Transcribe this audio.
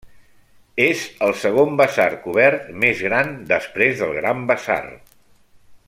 És el segon basar cobert més gran després del Gran Basar.